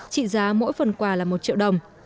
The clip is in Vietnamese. trị giá mỗi phần quà là một triệu đồng